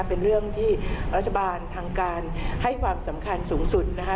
เป็นเรื่องที่รัฐบาลทางการให้ความสำคัญสูงสุดนะคะ